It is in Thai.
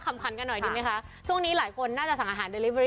ข่ำขันกันหน่อยดิเนียฮะช่วงนี้หลายคนน่าจะสั่งอาหาร